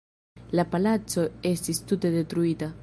La palaco estis tute detruita.